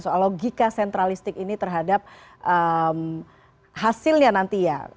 soal logika sentralistik ini terhadap hasilnya nanti ya